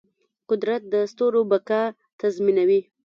قدرت د ستورو بقا تضمینوي.